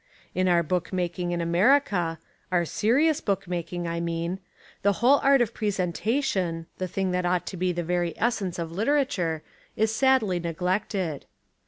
In our book making in Amer ica — our serious book making, I mean — the whole art of presentation, the thing that ought to be the very essence of literature, is sadly neglected.